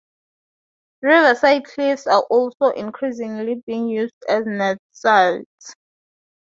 Riverside cliffs are also increasingly being used as nest sites.